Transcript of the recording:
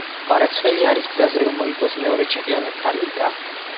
კვარაცხელია არის გზაზე რომ მოიგოს მეორე ჩემპიონთა ლიგა